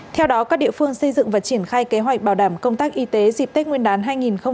theo đó các địa phương xây dựng và triển khai kế hoạch bảo đảm công tác y tế dịp tết nguyên đán hai nghìn hai mươi